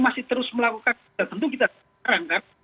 masih terus melakukan tentu kita